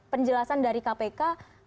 penjelasan dari kpk